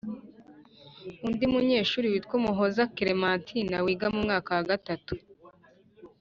Undi munyeshuri witwa Umuhoza Clementine wiga mu mwaka wa gatatu